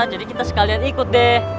jadi kita sekalian ikut deh